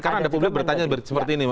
karena ada publik bertanya seperti ini